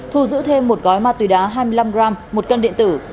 thu giữ thêm một gói ma túy đá hai mươi năm gram một cân điện tử